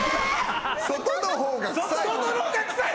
外の方が臭い？